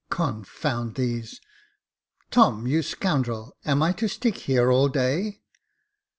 " Confound these ! Tom, you scoundrel, am I to stick here all day